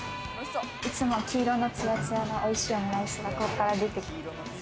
いつも黄色のツヤツヤのおいしいオムライスが、こっから出てきます。